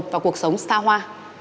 và cuộc sống xa hoa